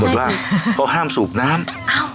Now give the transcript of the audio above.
ว่าเขาห้ามสูบน้ำ